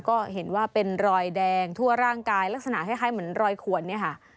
ก็เห็นว่าเป็นรอยแดงทั่วร่างกายลักษณะคล้ายเหมือนรอยขวนเนี่ยค่ะ